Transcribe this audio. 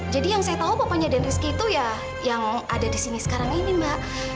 jadi yang saya tau papanya dian rizky itu ya yang ada di sini sekarang ini mbak